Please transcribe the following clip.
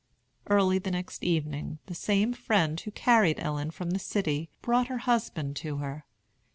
Early the next evening, the same friend who carried Ellen from the city brought her husband to her.